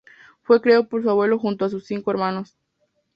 Fue criado por su abuelo junto a sus cinco hermanos.